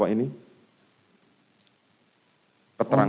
pemeriksaan poligraf ini